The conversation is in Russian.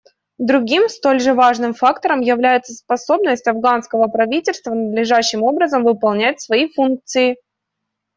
Другим столь же важным фактором является способность афганского правительства надлежащим образом выполнять свои функции.